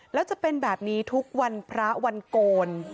แล้วจะเป็นแบบนี้ทุกวันพระวันโกน